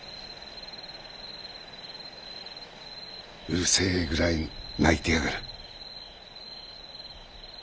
うるせえぐらい鳴いてやがる。